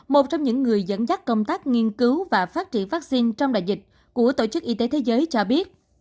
một trong những người dẫn dắt công tác nghiên cứu và phát triển vaccine trong đại dịch của tổ chức y tế thế giới cho biết